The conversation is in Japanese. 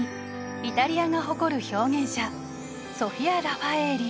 イタリアが誇る表現者ソフィア・ラファエーリ。